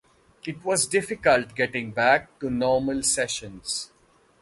It was difficult getting back to 'normal' sessions.